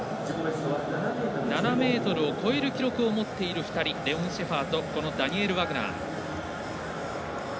７ｍを超える記録を持っている２人レオン・シェファーとダニエル・ワグナー。